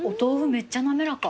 めっちゃ滑らか。